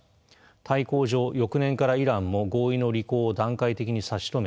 対抗上翌年からイランも合意の履行を段階的に差し止め